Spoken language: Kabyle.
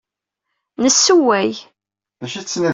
Nessewway.